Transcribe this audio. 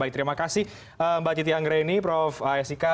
baik terima kasih mbak citi anggreni prof asika